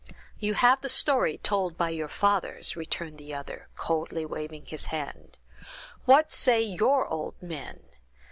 "You have the story told by your fathers," returned the other, coldly waving his hand. "What say your old men?